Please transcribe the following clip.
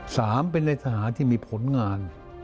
สามเป็นในทหารที่มีผลงาน